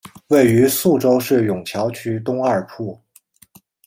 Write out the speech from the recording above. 位于宿州市埇桥区东二铺。